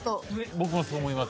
僕もそう思います。